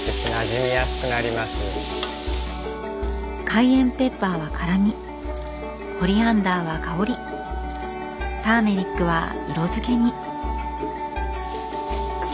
カイエンペッパーは辛みコリアンダーは香りターメリックは色づけに。